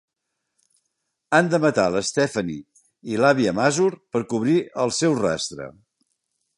Han de matar l"Stephanie i l"àvia Mazur per cobrir el seu rastre.